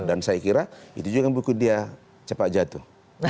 dan saya kira itu juga mungkin dia cepat jatuh